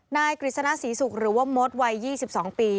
กฤษณศรีศุกร์หรือว่ามดวัย๒๒ปี